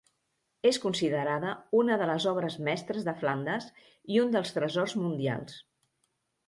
És considerada una de les obres mestres de Flandes i un dels tresors mundials.